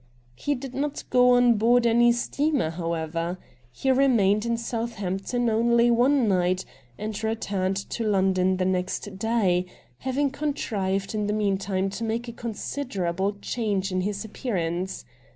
He did not go on board any steamer, however. He remained in Southampton only one night, and returned to London next day, having contrived in the AN INTERVIEW WITH MR. RATT GUNDY 249 meantime to make a considerable change in his appearance.